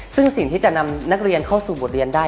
ซึ่งสิ่งที่จะนำนักเรียนเข้าสู่บทเรียนได้